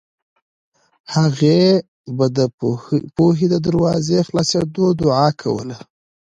هغې به د پوهې د دروازو خلاصېدو دعا کوله